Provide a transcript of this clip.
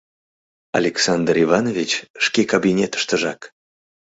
Александр Иванович шке кабинетыштыжак.